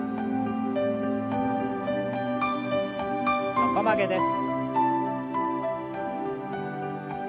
横曲げです。